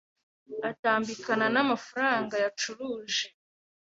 atambikana na amafaranga yacuruje